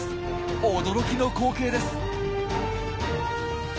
驚きの光景です！